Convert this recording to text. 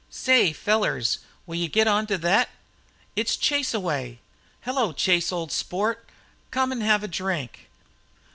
"Say, fellars, will you get onto thet!" "It's Chaseaway!" "Hello, Chase, old sport, come an' have a drink."